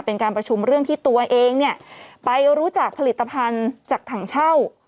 เป็นการประชุมเรื่องที่ตัวเองเนี่ยไปรู้จักผลิตภัณฑ์จากถังเช่า